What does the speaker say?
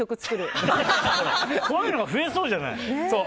こういうのが増えそうじゃない？